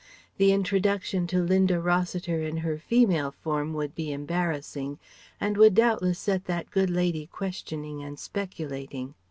The introduction to Linda Rossiter in her female form would be embarrassing and would doubtless set that good lady questioning and speculating.